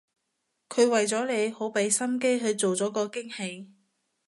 佢為咗你好畀心機去做咗個驚喜